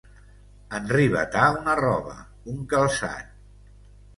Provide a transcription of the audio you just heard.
Enrivetar una roba, un calçat.